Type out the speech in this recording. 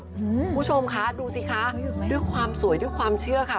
คุณผู้ชมคะดูสิคะด้วยความสวยด้วยความเชื่อค่ะ